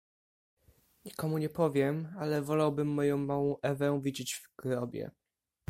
"Nikomu nie powiem, ale wolałbym, moją małą Ewę widzieć w grobie."